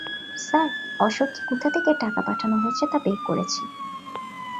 Sir, অশোককে কোথা থেকে টাকা পাঠানো হয়েছে তা বের করেছি।